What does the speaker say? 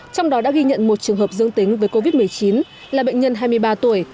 trong đó đã ghi nhận một trường hợp dương tính với covid một mươi chín là bệnh nhân hai mươi ba tuổi